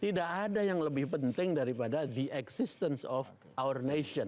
tidak ada yang lebih penting daripada the existence of our nation